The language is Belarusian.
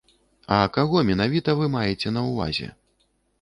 А каго менавіта вы маеце на ўвазе?